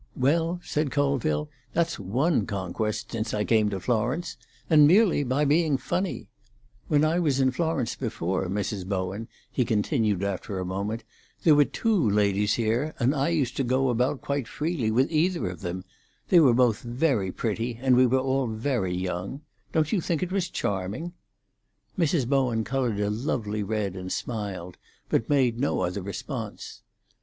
"Well," said Colville, "that's one conquest since I came to Florence. And merely by being funny! When I was in Florence before, Mrs. used to go about quite freely with either of them. They were both very pretty, and we were all very young. Don't you think it was charming?" Mrs. Bowen coloured a lovely red, and smiled, but made no other response.